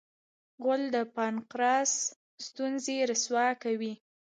غول د پانقراس ستونزې رسوا کوي.